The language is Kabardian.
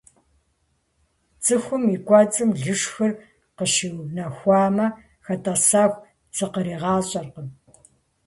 ЦӀыхум и кӀуэцӀым лышхыр къыщыунэхуамэ, хэтӀэсэху зыкъригъащӀэркъым.